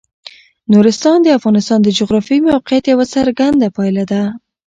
نورستان د افغانستان د جغرافیایي موقیعت یوه څرګنده پایله ده.